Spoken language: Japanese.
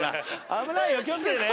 危ないよ気を付けてね。